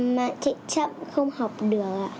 mạng chạy chậm không học được ạ